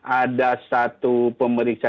ada satu pemeriksaan